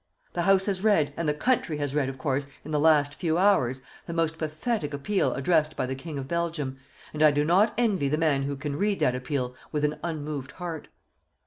The House has read, and the country has read, of course, in the last few hours, the most pathetic appeal addressed by the King of Belgium, and I do not envy the man who can read that appeal with an unmoved heart.